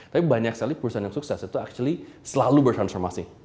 tapi banyak sekali perusahaan yang sukses itu actually selalu bertransformasi